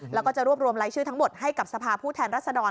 แล้วก็จะรวบรวมรายชื่อทั้งหมดให้กับสภาผู้แทนรัศดร